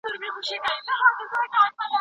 استاد شاګرد ته د څيړني سمه لاره ښیي.